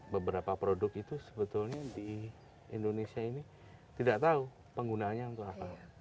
beberapa produk itu sebetulnya di indonesia ini tidak tahu penggunaannya untuk apa